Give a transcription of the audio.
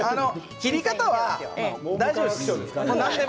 切り方は大丈夫です。